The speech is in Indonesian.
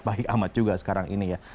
tapi kita harus berhemat ya